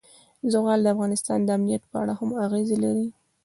زغال د افغانستان د امنیت په اړه هم اغېز لري.